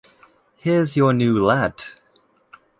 Here’s your new lad.